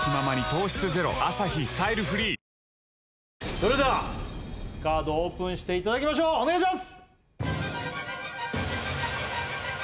それではカードをオープンしていただきましょうお願いします！